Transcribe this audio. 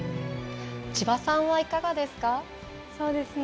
千葉さんはいかがですか？